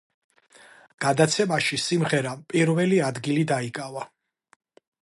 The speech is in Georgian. გადაცემაში სიმღერამ პირველი ადგილი დაიკავა.